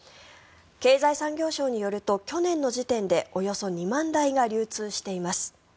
経済産業省によると去年の時点でおよそ２万台が流通しています。